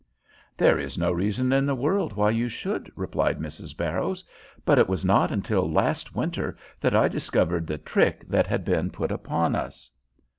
"There is no reason in the world why you should," replied Mrs. Barrows. "But it was not until last winter that I discovered the trick that had been put upon us."